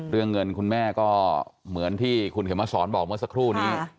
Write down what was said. เรื่องเงินคุณแม่ก็เหมือนที่คุณเข็มมาสอนบอกเมื่อสักครู่นี้